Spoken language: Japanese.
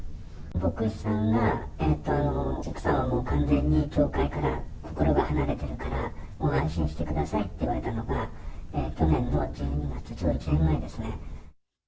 牧師さんが奥様はもう完全に教会から心が離れてるから、もう安心してくださいって言われたのが去年の１２月、ちょうど１年前ですね。